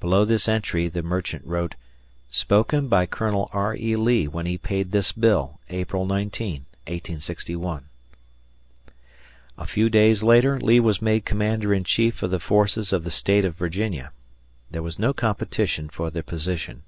Below this entry the merchant wrote, "Spoken by Colonel R. E. Lee when he paid this bill, April 19, 1861." A few days later, Lee was made commander in chief of the forces of the State of Virginia. There was no competition for the position.